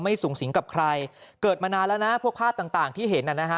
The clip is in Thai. สูงสิงกับใครเกิดมานานแล้วนะพวกภาพต่างที่เห็นน่ะนะฮะ